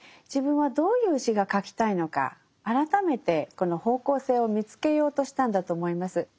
自分はどういう詩が書きたいのか改めてこの方向性を見つけようとしたんだと思います。